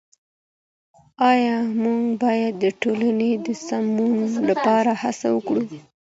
آيا موږ بايد د ټولني د سمون لپاره هڅه وکړو؟